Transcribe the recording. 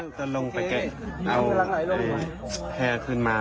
แล้วก็ลงไปแกะเอาแพร่ขึ้นมา